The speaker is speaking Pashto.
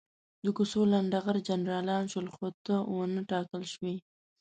د کوڅو لنډه غر جنرالان شول، خو ته ونه ټاکل شوې.